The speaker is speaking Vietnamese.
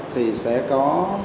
thì sẽ có